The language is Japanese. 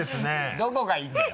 どこがいいんだよ。